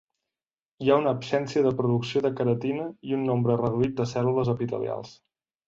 Hi ha una absència de producció de keratina i un nombre reduït de cèl·lules epitelials.